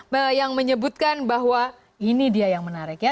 trump menyebutkan bahwa ini dia yang menarik ya